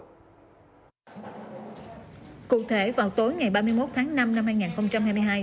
cụ thể vào tối ngày ba mươi một tháng năm năm hai nghìn hai mươi hai